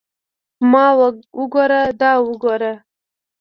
ما وګوره دا وګوره.